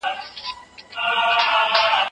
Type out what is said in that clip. ګلف بدلون راوست.